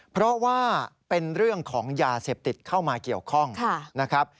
เพราะว่าเป็นเรื่องของยาเสพติดเข้ามาเกี่ยวข้องนะครับ